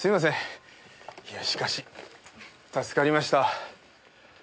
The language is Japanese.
いやしかし助かりました。